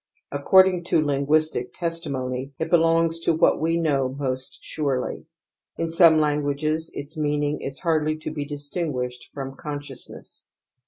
According to linguistic testimony it belongs to what we know most surely ; in some languages its meaning is hardly to be distinguished from consciousness.